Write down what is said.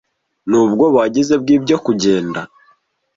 nubwoba wagize bwibyo Kugenda